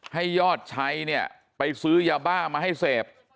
ให้ยอดชัยเนี่ยไปซื้อยาบ้ามาให้เสพ